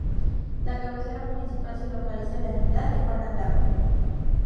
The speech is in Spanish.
La cabecera municipal se localiza en la entidad de Juan Aldama.